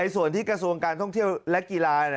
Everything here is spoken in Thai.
ส่วนที่กระทรวงการท่องเที่ยวและกีฬา